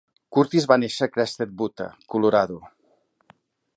Kurtis va néixer a Crested Butte, Colorado.